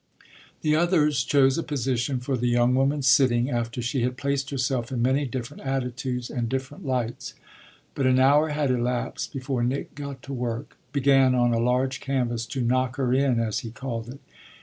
The others chose a position for the young woman's sitting after she had placed herself in many different attitudes and different lights; but an hour had elapsed before Nick got to work began, on a large canvas, to "knock her in," as he called it.